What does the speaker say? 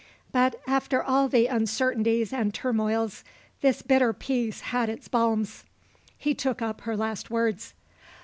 But, after all the uncertainties and turmoils, this bitter peace had its balms. He took up her last words.